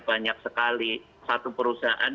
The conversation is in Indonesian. banyak sekali satu perusahaan